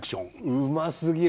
うますぎる。